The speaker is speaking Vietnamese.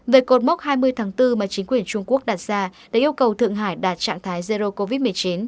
về cột mốc hai mươi tháng bốn mà chính quyền trung quốc đặt ra để yêu cầu thượng hải đạt trạng thái zero covid một mươi chín